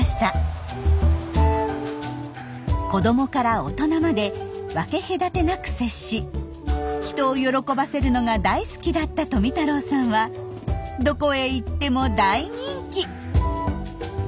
子どもから大人まで分け隔てなく接し人を喜ばせるのが大好きだった富太郎さんはどこへ行っても大人気！